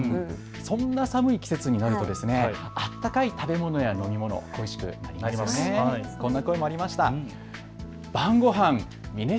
そんな寒い季節になると温かい食べ物や飲み物恋しくなりますよね。